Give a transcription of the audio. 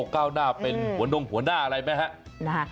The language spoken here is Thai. ก้าวหน้าเป็นหัวนงหัวหน้าอะไรไหมฮะ